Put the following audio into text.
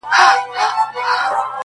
دا کيسه تل پوښتنه پرېږدي,